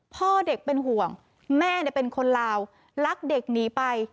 พ่อเด็กเป็นห่วงแม่เป็นคนลาวลักเด็กหนีไป